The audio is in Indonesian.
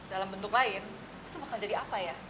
dalam bentuk lain itu bakal jadi apa ya